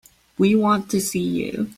We want to see you.